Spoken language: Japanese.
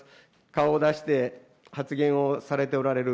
顔を出して発言をされておられる。